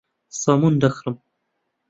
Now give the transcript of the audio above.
سەمون دەکڕم.